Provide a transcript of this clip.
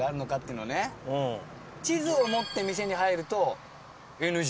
地図を持って店に入るとＮＧ。